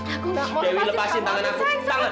aku enggak mau lepaskan tangan aku